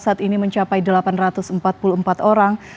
saat ini mencapai delapan ratus empat puluh empat orang